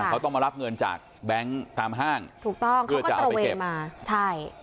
เขาต้องมารับเงินจากแบงค์ตามห้างถูกต้องเพื่อจะเอาไปเก็บมาใช่